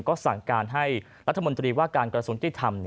ก็สั่งการให้รัฐมนตรีว่าการกระทรวงยุติธรรม